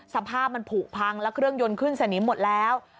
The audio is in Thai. สภาพมันผูกพังแล้วเครื่องยนต์ขึ้นสนิมหมดแล้ว